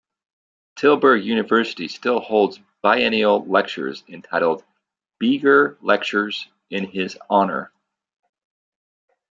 Tilburg University still hold biennial lectures entitled the "Beeger lectures" in his honour.